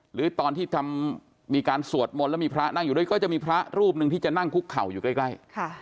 หรือตอนที่มีการสวดมนต์แล้วมีพระนั่งอยู่ด้วยก็จะมีพระรูปหนึ่งที่จะนั่งคุกเข่าอยู่ใกล้